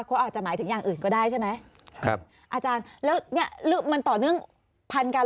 เขาอาจจะหมายถึงอย่างอื่นก็ได้ใช่ไหมครับอาจารย์แล้วเนี่ยมันต่อเนื่องพันกัน